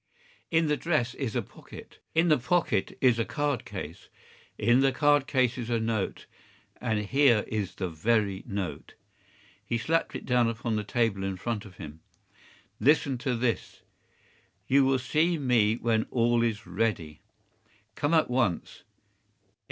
” “In the dress is a pocket. In the pocket is a card case. In the card case is a note. And here is the very note.” He slapped it down upon the table in front of him. “Listen to this: ‘You will see me when all is ready. Come at once.